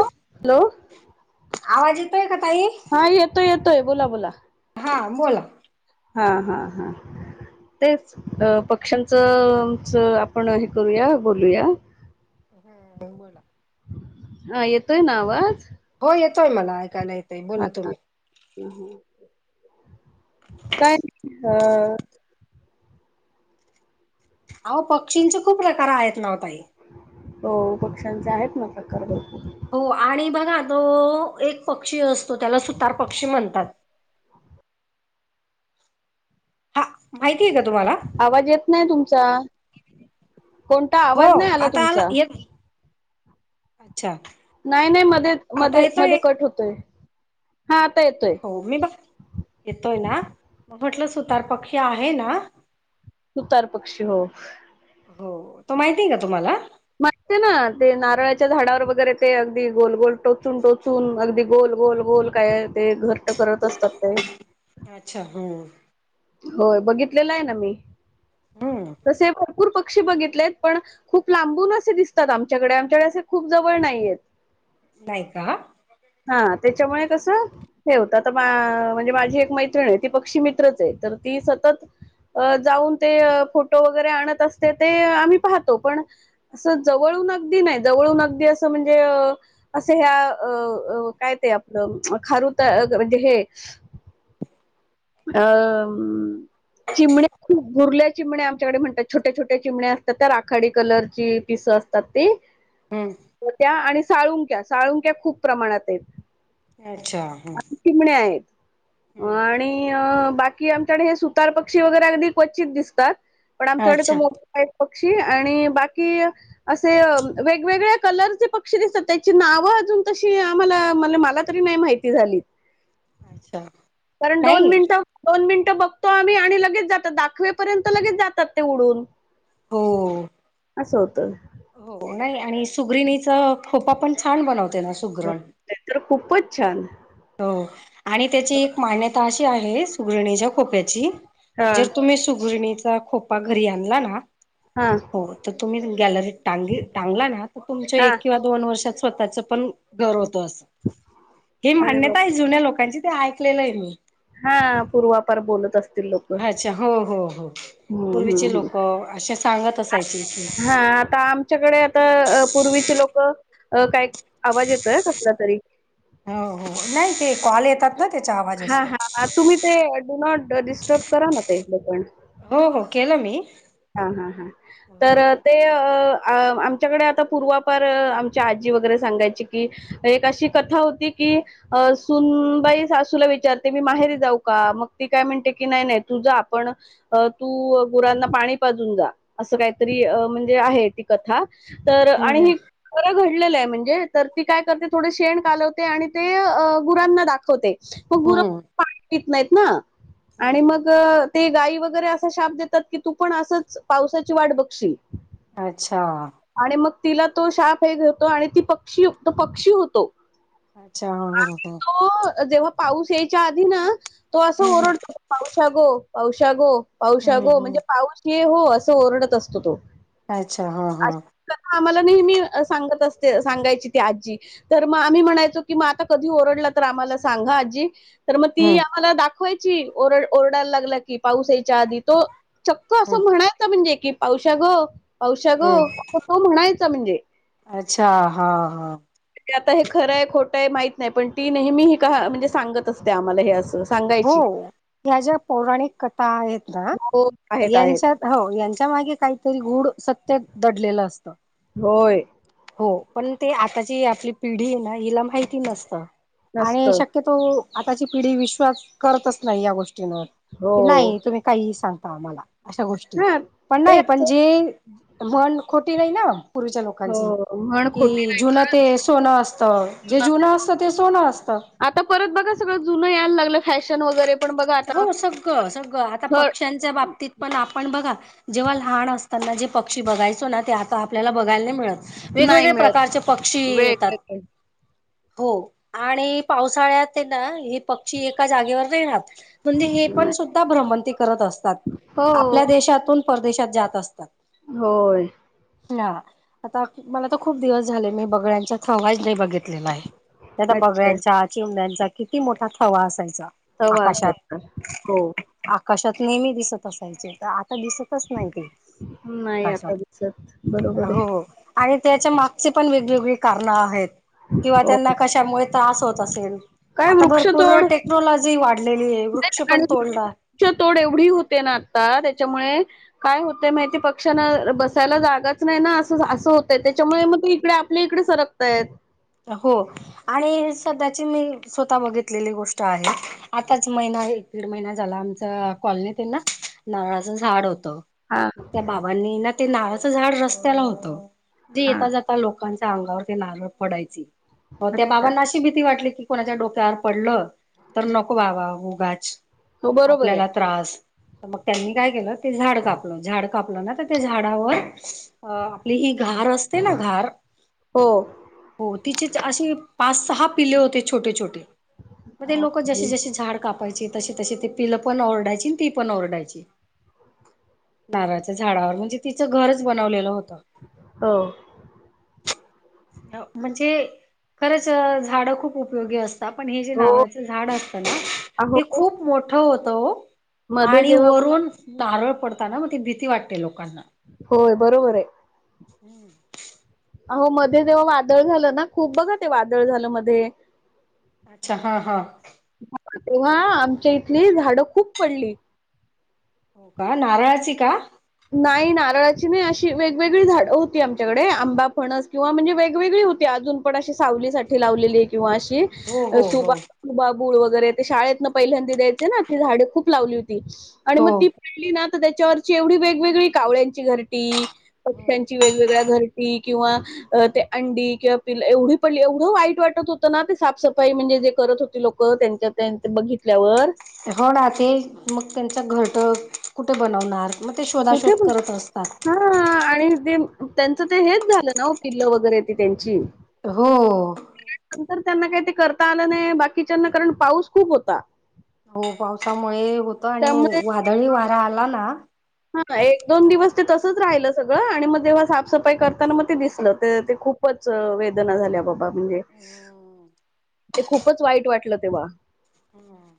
आज हॅलो आवाज येतोय का? ताई? हा येतोय येतोय बोला बोला. हा बोला. हां हां हां तेच पक्ष्यांचं आपण हे करूया, बोलूया. हा बोला. हा येतोय ना आवाज? हो येतोय मला ऐकायला येतय हा बोला तुम्ही. काय नाही हां अहो पक्षींच खूप प्रकार आहेत नव्हं ताई. हो. पक्ष्यांचे आहेत ना प्रकार भरपूर? हो आणि बघा तो एक पक्षी असतो त्याला 'सुतार पक्षी' म्हणतात. हा माहितीये. आवाज येत नाही तुमचा. कोणता हो आवाज नाही आला आता तुमचा. येत अच्छा नाहीनाही, मध्ये आता मध्ये येतोय? मध्ये कट होतोय. हां हो मी बघ, येतोय ना? म्हटलं सुतार पक्षी आहे ना. सुतारपक्षी हो. हो तो माहिती आहे का तुम्हाला? माहिते ना ते नारळाच्या झाडावर वगैरे ते अगदी गोल गोल टोचून -टोचून, अगदी गोल गोल गोल काय ते घरटं करत असतात ते. अच्छा हुं होय बघितलेला आहे ना मी. हम् तसे भरपूर पक्षी बघितलेत पण खूप लांबून असे दिसतात आमच्याकडे आमच्याकडे असे खूप जवळ नाहीयेत. नाहीय का? हा त्याच्यामुळे कसं हे होतं आता म्हणजे माझी एक मैत्रिण आहे ती पक्षी मित्रच आहे. तर ती सतत अ जाऊन ते फोटो वगैरे आणत असते ते आम्ही पाहतो पण अस जवळ गदी नाही जवळ अगदी अस म्हणजे असे ह्या काय ते आपल खारुता म्हणजे हे अ चिमण्या खूप भुरल्या चिमण्या डे म्हणतात छोटे छोटे चिमण्या असतात त्या राखाडी कलरची पिस असतात ते. हम्म त्या आणि साळुंक्या साळुक्या खूप प्रमाणात आहेत. अच्छा हम्म आणि चिमण्या आहेत हम्म आणि बाकी आमच्याकडे हे सुतार पक्षी वगैरे अगदी क्वचित दिसतात पण आमच्याकडे तो अच्छा मोठा एक पक्षी आणि बाकी असे वेगवेगळ्या कलरचे पक्षी दिसतात त्याची नाव अ त आम्हाला म्ह मला तरी नाही माहिती झाली अच्छा कारण दोन नाही मिनिटं दोन मिनट बघतो आम्ही आणि लगेच जातात दाखवेपर्यंत लगेच जातात ते उडून हो असं होतं हो नाही आणि सुगरिणीचा खोपा पण छान बनवते ना हो, सुगरण ते तर खूपच छंद हो आणि त्याची एक मान्यता अशी आहे सु खोप्याची हा जर तुम्ही सुगर्णीचा खोपा घरी आणला ना हा हो तर तुम्ही गॅलरीत टांग टांगला ना तर तुमच्या हा एक किंवा दोन वर्षात स्वतःच पण घर होत अस हे अरे मान्यता बाप जुन्या लोकांची ते ऐकलेलं आहे मी हा पूर्वापार बोलत अच्छा हो हो हो पूर्वीचे ह् लोक असे सांगत असायचे की हा आता आमच्याकडे आता पूर्वीचे लोक काय आवाज येतो ना कसला तरी हो हो नाही ते कॉल येतात ना त्याचा आवाज हा असतो हा तुम्ही ते डू नॉट डिस्टर्ब करा ना ते ल पण हो हो केलं मी हा हा हा हो. तर ते अ अ आमच्याकडे आता पूर्वापार आमच्या आजी वगैरे सांगायची की एक अशी कथा होती की सुनबाई सासूला विचारते मी माहेरी जाऊ का मग ती काय म्हणते की नाही तु आपण तू गुना पा का म्हण त कथा तर हम्म हम्म म्हणजे तर ती काय करते थो शेण कालवते आणि ते गुरांना दाखवते मग गुर हम्म पाणी पित नाहीत ना आणि हम्म मग हम्म. ते गाई वगैरे असा शाप देतात की तू पण असंच पावसाची वाट बघशील अच्छा आणि मग तिला तो शाप हे घेतो आणि ती पक्षीो पक्षी होतो अच्छा हो आणि हो तो जेव्हा पाऊस यायच्या आधी ना तो असं हम्म ओरडतो पावशगो पावश गो पावश हम्म गो हम्म म्हणजे पाऊस हो अस ओरडत असतो तो अच्छा हा हा आम्हाला नेहमी सांगत अस सांगायची ते आजी तर मग आम्ही म्हणायचो की मग आता कधी ओरडला तर आम्हाला सांगा आजी तर मग ती हम्म आम्हाला दाखवायची ओरड ओरडायला लागला की पाऊस यायच्या आधी तो चक्क हम्म असं म्हणायच म्हणजे की पावश ग औषा ग हम्म अस तो म्हणायचा म्हणजे अच्छा हा हा ते आता हे खरं आहे खोटं आहे माहित नाही पण ती नेहमी ह का म्हणजे सांगत असते आम्हाला हे असं हो सांगायची. ह्या ज्या पौराणिक कथा आहेत ना हो, आहेत, आहेत. यांच्यात हो यांच्या मागे काहीतरी गुड सत्तेत दडलेलं असतं होय होय हो पण ते आताची आपली पिढी आहे ना हिला माहिती नसत आणि नसतं. शक्यतो आताची पिढी विश्वास करतच नाही या गोष्टींवर हो. की नाही तुम्ही काही सांगता आम्हाला हां, पण ते नाही पण जे असंच. हो, म्हण खोटी कि जुन ते सोनं असत जे जुनं असतं ते सोनं असत आता परत बघा सगळं जुनं यायला लागलं फॅशन वगैरे पण बघा आता हो सगळं सगळं आता थळ पक्ष्यांच्या बाबतीत पण आपण बघा जेव्हा लहान असताना जे पक्षी बघायचो ना ते आता आपल्याला बघायला नाही मिळत नाही वेगवेगळ्या मिळत प्रकारचे पक्षी येतात वेगवेगळे हो आणि पावसाळ्यात ना हे पक्षी एका जागेवर नाही राहात म्हणजे हे पण सुद्धा भ्रमती करत असतात हो आपल्या देशातून परदेशात जात असतात होय. ह आता मला तर खूप दिवस झाले मी बघण्या्यांचाचवाज नाही बघित. आता अच्छा बघायचा चिवड्यांचा किती मोठा थवा असायचा तवा आकाशात असायचा हो. कशात नेहमी दिसत असायचे तर आता दिसतच नाही ते नाही आकाशात आता दिसत बरोबर आहे हो. आणि त्याच्या मागचे पण वेगवेगळी कारणं आहेत. किंवा त्यांना होय कशामुळे त्रास होत असेल काय आता भरपूर वृक्षतोड टेक्नॉलॉजी वा. नाही आणि तच्या तोड एवढी होते ना आता त्याच्यामुळे काय होतय माहिती पक्षांना बसायला जागाच नाही ना अस अस हो. त्याच्यामुळे मग ते इकडे आपल्या इकडे सरकताय. हो आणि सध्याची मी स्वत बघितलेली गोष्ट आहे आताच महि एक दीड महिना झाला आमच कॉलनीत ना नळाचं झाड होत. हा मग त्या बाबांनी ना ते नाळाचं झाड रस्त्याला होतं. जी हा येता जाता लोकांच्या अंगावर ते नारळ पडायची त्या अच्छा बाबांना अशी भीती वाटली की कोणाच्या डोक्यावर पडलं तर नकवावा उगाच हो बरोबर आहे आपल्याला त्रास. तर मग त्यांनी काय केलं ते झाड कापलं झाड कापलं ना तर त्या झाडावर आपली हि घार असते ना घार हो. हो तिचे असे पाच सहा पिले होते छोटे छोटे. मगे ल जसे जसे झाड काप. य त तशी ते पिलं पण ओरडायची ती पण ओरडायची. नारळाच्या झाडावर म्हणजे तिचं घरच बनवलेलं होत. हो. म्हणजे खरंच झाड खूप उपयोगी असत. पण हे जे हो नावाच झाड असत ना अहो हे खूप मोठं होत. मध्ये आणि जेव्हा वरून धारळ पडताना मग ती भीती वाटते लोकांना होय बरोबर आहे. हम्म. अह मध्ये तेव्हा वादळ झालं ना खूप बघा ते वादळ झालं मध्ये अच्छा हा हा. तेव्हा आमच्या इथली झाडं खूप पडली. हो का नारळाची का? नाही नारळाची नाही अशी वेगवेगळी झाड होती आमच्याकडे आंबा फणस किंवा म्हणजे वेगवेगळी होती. अजून पण अशी सावलीठी लावलेली हो हो हो. किंवा बाबुळ वगैरे ते शाळेत न पहिल्यांदी द्यायचे ना त झाडे खूप लावली होती. आणि मग हो ती पाहिली ना तर त्याच्यावरची एवढी वेगवेगळी कावळ्यांची घरटी पक्ष्यांची वेगवेगळ्या घर किंवा ते अंडी किंवा पिल एवढी पडली एवढं वाईट वाटत होतं ना ते साफसफाई म्हणजे जे करत होती लोकं त्यांच्या-त्यांच बघितल्यावर हो ना ते मग त्यांचा घरट कुठे बनवणार. मग ते कुठे शोधाशोध करत असतात. हा आणि ते त्यांचं ते हेच झालं ना पिल्ल वगैरे ती त्यांची हो. नंतर त्यांना काही ते करता आलं नाही बाकीच्यांना कारण पाऊस खूप होता. हो पावसामुळे होतं आणि वादळीही वारा आला ना. हा एक दोन हो. दिवस ते तसच राहिलं सगळं आणि मग जेव्हा साफसफाई करताना मग ते दिसलं ते ते खूपच वेदना झाल्या बाबा. म्हणजे ते खूपच वाईट वाटलं तेव्हा हम्.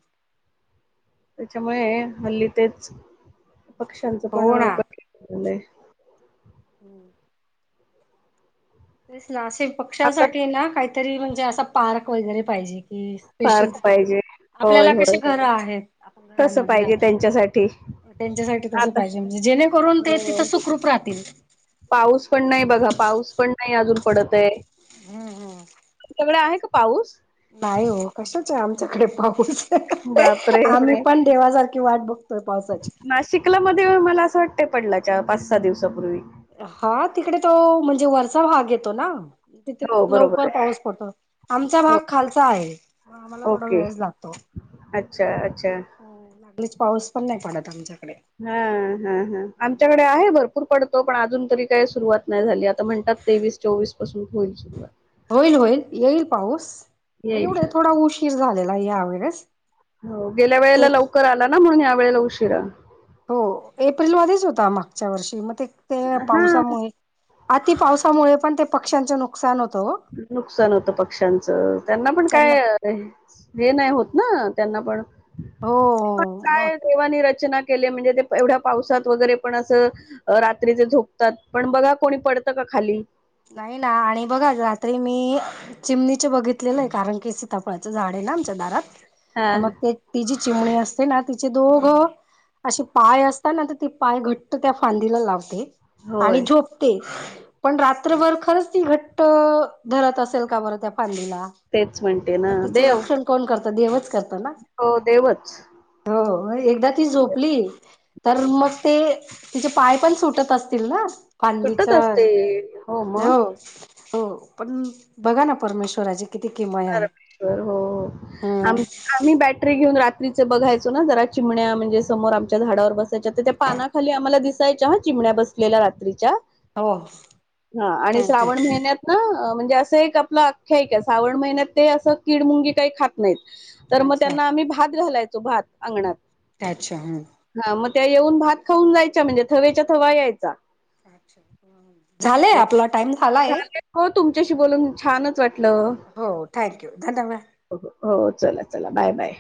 त्याच्यामुळे हे हल्ली तेच पक्ष्यांचं पण हो अं झालंय हम्म तेच ना असे आता पक्ष्यांसाठी ना काहीतरी म्हणजे असा पार्क वगैरे पाहिजे. स्पेशल पार्क पाहिजे. होय, आपल्याला कसे होय. घर आहेत. आपण तसं घरांमध्ये पाहिजे राहतो. त्यांच्यासाठी. अं त्यांच्यासाठी तसं आता पाहिजे. म्हणजे जेणेकरून ते तिथं हो. सुखरूप राहतील. पाऊस पण नाही बघा, पाऊस पण नाही अजून पडत आहे. तुमच्याकडे आहे का पाऊस नाही हो कशाच आहे आमच्याकडे पाऊ बापरे! आम्ही पण देवासारखी वाट बघतोय पावसाची नाशिकला मला असं वाटतंय पडलाय चार पाच सहा दिवसाांपूर्वी. हा तिकडे तो म्हणजे वरचा भाग येतो ना. तिथे हो बरोबर लवकर आहे पाऊस पडतो. आमचा हो भाग खालचा आहे. आम्हाला थोडा ओके वेळच लागतो. अच्छा अच्छा लीच पाऊस पण नाही पडत आमच्या हा हा हा आमच्याकडे आहे भरपूर पडतो पण अजून तरी काय सुरुवात नाही झाली. आता म्हणतात तेवीस चोवीस पासून होईल सुरुवात. होईल होईल येईल पाऊस येईल. एवढे थोडा उशीर झालेला या वेळेस. हो गेल्या वेळेला एक लवकर आला ना म्हणून या वेळेला उशिरा. हो एप्रिलमध्येच होता, मागच्या वर्षी मग ते त्या हा पावसामुळे अति पावसामुळे पण ते पक्ष्यांचे नुकसान होत. नुकसान होतं पक्ष्यांचं त्यांना पण काय हे नाही होत ना त्यांना पण हो मग काय देवानी रचना केलीये म्हणजे ते एवढ्या पावसात वगैरे पण अस अं रात्री झोपतात. पण बघा कोणी पडत का. खाली नाही ना आणि बघा रात्री मी चिमणीचे बघितलेलं आहे. कारण की सीतापळाच झाड आहे. ना आमच्या दारात हा पण मग ते ती जी चिमणी अस ना तिचे दोघं असे पाय असता ना तर ती पाय घट्ट त्या फांदीला लावते. आणि होय झोपते पण रात रात्रभर खरंच ती घट्ट अं धरत असेल का बरं त्या फांदीला. तेच म्हणते मग ना तिचे देव रक्षण कोण करत देवच करत हो देवच. मग एकदा ती झोपली तर मग ते तिचे पाय पण सुटत असतील ना. सुटत फांदीच्या असतील. हो मग हो पण बघा ना परमेश्वराची किती किमया आहे हो हो हम्म आम-आम्ही बॅटरी घेऊन रात्र बघायचो ना जरा चिमण्या म्हणजे समोर आमच्या झाडावर बसायच्या तर त्या पानाखाली आम्हाला दिस ह चिमण्या बसलेल्या रात्रीच्या. हो हा ह आणि ह श्रावण महिन्यात ना म्हणजे असं एक आपलं अख्याका आहे. श्रावण महिन्यात ते असं कीड मुंगी काही खात नाहीत. तर मग अच्छा त्यांना आम्ही भात घालायचो भात. अंगणात. अच्छा हम्म हां, मग त्या येऊन भात खाऊन जायच्या म्हणजे थवेच्या थवा यायचा. झाले आपला टाइम झालाय झाले हो तुमच्याशी बोलून छानच वाट हलो हो थँक्यू धन्यवाद हो चला चला बाय बाय.